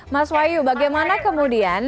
mas wayu bagaimana kemudian